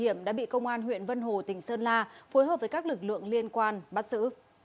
điểm đã bị công an huyện vân hồ tỉnh sơn la phối hợp với các lực lượng liên quan bắt giữ